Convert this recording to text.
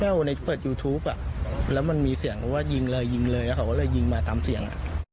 ในเปิดยูทูปอ่ะแล้วมันมีเสียงเขาว่ายิงเลยยิงเลยแล้วเขาก็เลยยิงมาตามเสียง